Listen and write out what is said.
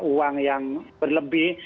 uang yang berlebih